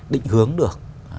định hướng được